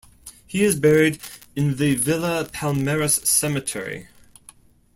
He is buried in the Villa Palmeras Cemetery.